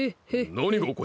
なにがおかしい？